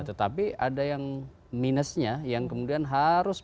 tetapi ada yang minusnya yang kemudian harus benar benar dikonsumsi